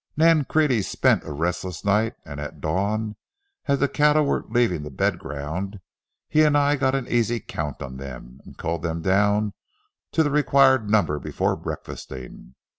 Nancrede spent a restless night, and at dawn, as the cattle were leaving the bed ground, he and I got an easy count on them and culled them down to the required number before breakfasting.